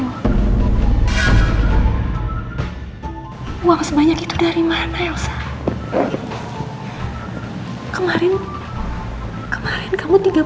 uang sebanyak itu dari mana elsa kemarin kemarin kamu tiga puluh juta aja enggak ada